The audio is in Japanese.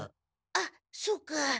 あっそうか。